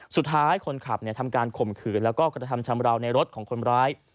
สุดท้ายคนขับทำการข่มขืนแล้วก็กระทำชำราวในรถของคนร้าย